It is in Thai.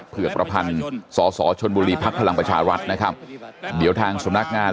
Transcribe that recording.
ประพันธ์สสชนบุรีภักษ์พลังประชาวัฒน์นะครับเดี๋ยวทางสมนักงาน